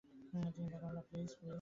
চিন্তা করো না, প্লিজ।